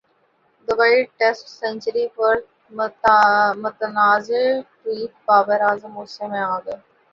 Dubai test century پر متنازع tweet Babar Azam غصہ میں اگئے